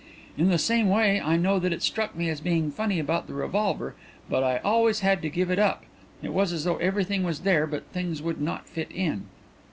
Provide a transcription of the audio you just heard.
In the same way I know that it struck me as being funny about the revolver but I always had to give it up. It was as though everything was there but things would not fit in."